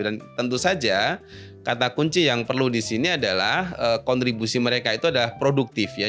tentu saja kata kunci yang perlu di sini adalah kontribusi mereka itu adalah produktif ya